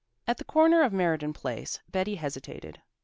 At the corner of Meriden Place Betty hesitated.